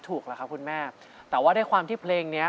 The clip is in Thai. ถูกแล้วครับคุณแม่แต่ว่าได้ความที่เพลงเนี้ย